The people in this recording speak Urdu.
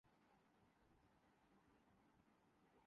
وہ حسب معمول دس منٹ تا خیر سے پہنچا